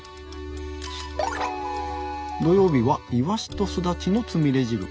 土曜日はいわしとすだちのつみれ汁。